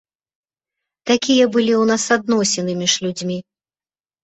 Такія былі ў нас адносіны між людзьмі.